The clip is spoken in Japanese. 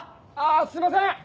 あすいません！